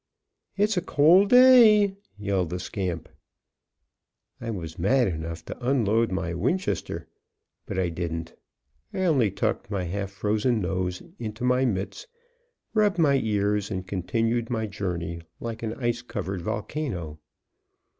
"It's a cold day!" yelled the scamp. I was mad enough to unload my Winchester. But I didn't; I only tucked my half frozen nose in my mits, rubbed my ears, and continued my journey, like an ice covered volcano.